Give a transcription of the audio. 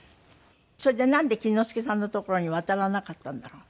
それでなんで錦之介さんの所に渡らなかったんだろう？